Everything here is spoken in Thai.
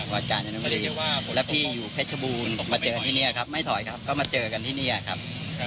วัดกาลยานุมรีแล้วพี่อยู่เพชบูลมาเจอกันที่เนี่ยครับไม่ถอยครับก็มาเจอกันที่เนี่ยครับ